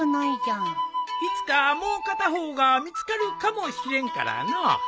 いつかもう片方が見つかるかもしれんからのう。